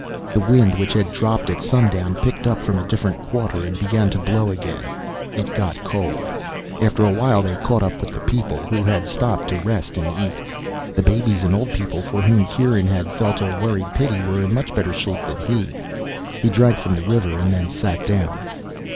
The wind, which had dropped at sundown, picked up from a different quarter and began to blow again. It got cold. After a while they caught up with the people, who had stopped to rest and eat. The babies and old people for whom Kieran had felt a worried pity were in much better shape than he. He drank from the river and then sat down.